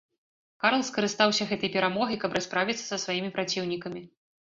Карл скарыстаўся гэтай перамогай, каб расправіцца са сваімі праціўнікамі.